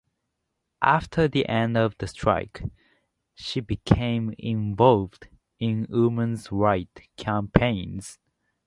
After the end of the strike, she became involved in women's rights campaigns.